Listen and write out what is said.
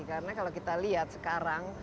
karena kalau kita lihat sekarang